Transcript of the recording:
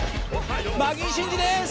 マギー審司です！